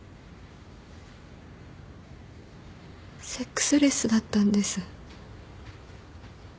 セックスレスだったんです。